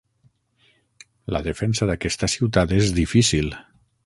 La defensa d'aquesta ciutat és difícil.